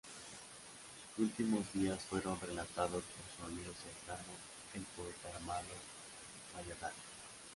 Sus últimos días fueron relatados por su amigo cercano, el poeta Armando Valladares.